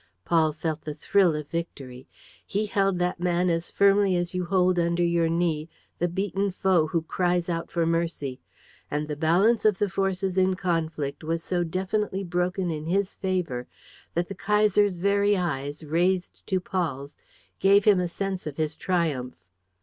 Paul felt the thrill of victory. He held that man as firmly as you hold under your knee the beaten foe who cries out for mercy; and the balance of the forces in conflict was so definitely broken in his favor that the Kaiser's very eyes, raised to Paul's, gave him a sense of his triumph.